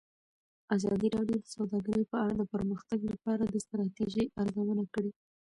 ازادي راډیو د سوداګري په اړه د پرمختګ لپاره د ستراتیژۍ ارزونه کړې.